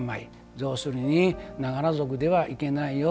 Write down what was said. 要するにながら族ではいけないよ